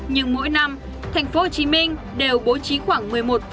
nhưng mỗi năm tp hcm đều bố trí khoảng một mươi một